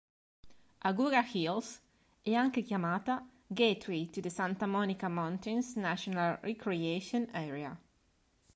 Agoura Hills è anche chiamata "Gateway to the Santa Monica Mountains National Recreation Area".